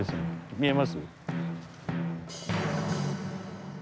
見えます？